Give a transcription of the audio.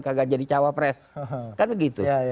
kagak jadi cawapres kan begitu